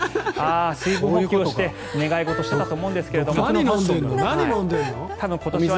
水分補給をして願い事をしてたと思うんですが。